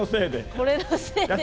これのせいで。